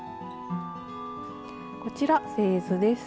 こちら製図です。